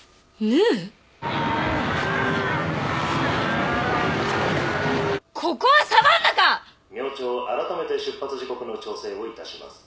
明朝あらためて出発時刻の調整をいたします。